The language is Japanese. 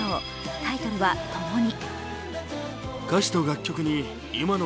タイトルは「ともに」。